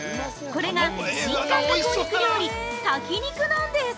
これが、新感覚お肉料理「炊き肉」なんです！